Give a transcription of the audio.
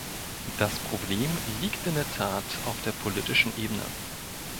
Das Problem liegt in der Tat auf der politischen Ebene.